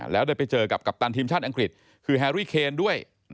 แล้วได้ไปเจอกับกัปตันทีมชาติอังกฤษคือแฮรี่เคนด้วย